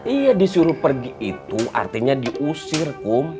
iya disuruh pergi itu artinya diusir kum